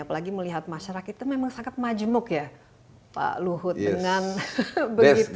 apalagi melihat masyarakat itu memang sangat majemuk ya pak luhut dengan begitu